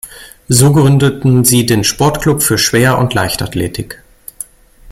So gründeten sie den "Sportclub für Schwer- und Leichtathletik".